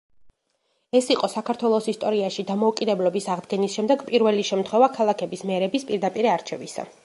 ეს იყო საქართველოს ისტორიაში დამოუკიდებლობის აღდგენის შემდეგ პირველი შემთხვევა ქალაქების მერების პირდაპირ არჩევისა.